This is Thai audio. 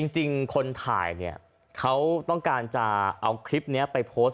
จริงคนถ่ายเนี่ยเขาต้องการจะเอาคลิปนี้ไปโพสต์